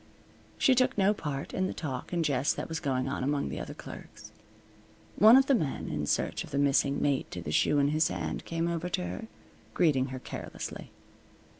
She took no part in the talk and jest that was going on among the other clerks. One of the men, in search of the missing mate to the shoe in his hand, came over to her, greeting her carelessly.